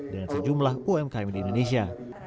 dengan sejumlah umkm di indonesia